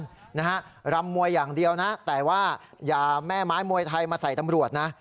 นะฮะรำมวยอย่างเดียวนะแต่ว่าอย่าแม่ไม้มวยไทยมาใส่ตำรวจนะ